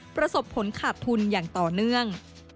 ประสบผลขาดทุนอย่างต่อเนื่อง